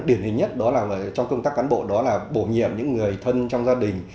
điển hình nhất trong công tác cán bộ đó là bổ nhiệm những người thân trong gia đình